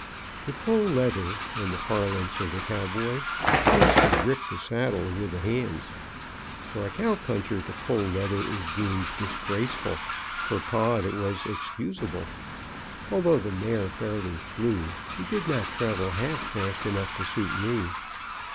To pull leather, in the parlance of the cowboy, means to grip the saddle with the hands. For a cow puncher to pull leather is deemed disgraceful; for Pod, it was excusable. Although the mare fairly flew, she did not travel half fast enough to suit me.